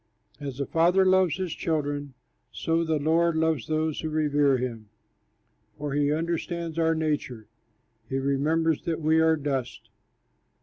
As a father loves his children, So the Lord loves those who revere him, For he understands our nature, He remembers that we are dust.